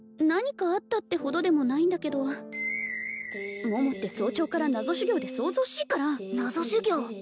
何かあったってほどでもないんだけど桃って早朝から謎修行で騒々しいから謎修行！？